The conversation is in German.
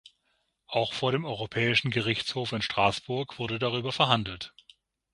Auch vor dem Europäischen Gerichtshof in Straßburg wurde darüber verhandelt.